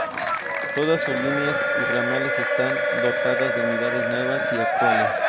Todas sus líneas y ramales están dotadas de unidades nuevas y actuales.